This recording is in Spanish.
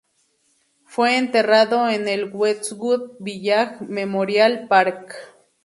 Fue enterrado en el Westwood Village Memorial Park.